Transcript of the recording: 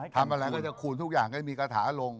ทำอะไรก็จะคูณทุกอย่างให้มีกระถาลง